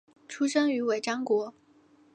出生于尾张国。